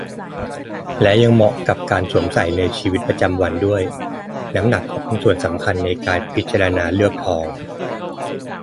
และยังเหมาะกับการสวมใส่ในชีวิตประจำวันด้วย น้ำหนักก็เป็นส่วนสำคัญในการพิจารณาเลือกทอง